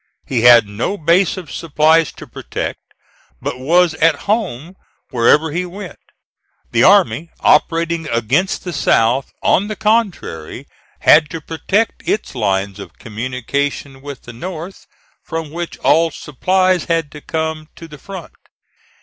He had no base of supplies to protect, but was at home wherever he went. The army operating against the South, on the contrary, had to protect its lines of communication with the North, from which all supplies had to come to the front.